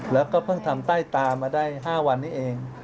แล้วก็เพิ่งทำใต้ตามาได้๕วันนี้เอง